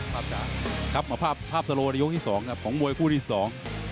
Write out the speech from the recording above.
ครับมาภาพภาพภาพสโลยียกที่สองครับของมวยคู่ที่สอง